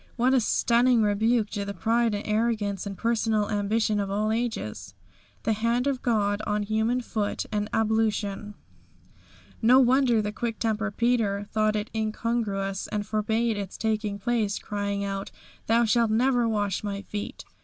What a stunning rebuke to the pride and arrogance and personal ambition of all ages! The Hand of God on Human Foot in Ablution! No wonder the quick tempered Peter thought it incongruous, and forbade its taking place, crying out: "Thou shalt never wash my feet!"